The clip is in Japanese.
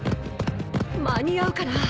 間に合うかな